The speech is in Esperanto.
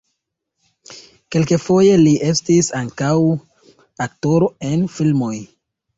Kelkfoje li estis ankaŭ aktoro en filmoj.